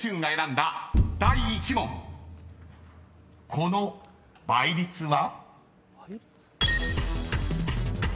［この倍率は？］